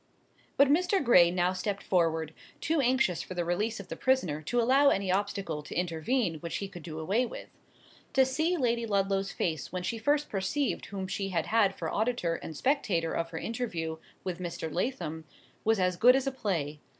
But Mr. Gray now stepped forward, too anxious for the release of the prisoner to allow any obstacle to intervene which he could do away with. To see Lady Ludlow's face when she first perceived whom she had had for auditor and spectator of her interview with Mr. Lathom, was as good as a play.